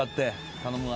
頼むわ。